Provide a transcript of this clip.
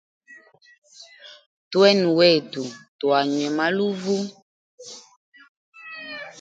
Twene wetu twanywe maluvu.